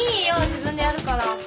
自分でやるから。